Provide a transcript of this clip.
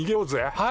はい！